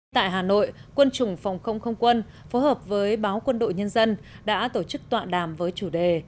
tại hà nội quân chủng phòng không không quân phối hợp với báo quân đội nhân dân đã tổ chức tọa đàm với chủ đề